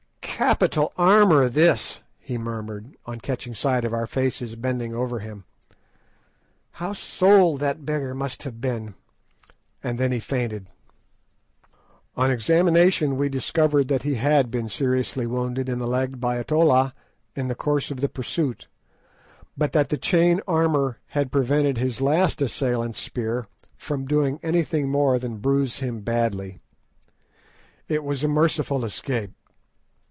"Capital armour this," he murmured, on catching sight of our faces bending over him. "How sold that beggar must have been," and then he fainted. On examination we discovered that he had been seriously wounded in the leg by a tolla in the course of the pursuit, but that the chain armour had prevented his last assailant's spear from doing anything more than bruise him badly. It was a merciful escape.